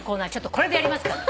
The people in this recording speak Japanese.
これでやりますから。